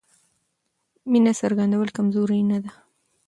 مینه څرګندول کمزوري نه ده.